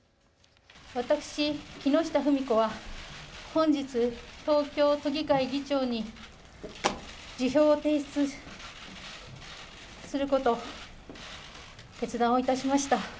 私、木下富美子は本日、東京都議会議長に辞表を提出することを決断をいたしました。